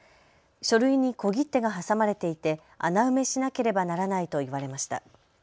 書類に小切手が挟まれていて穴埋めしなければならないと言われました。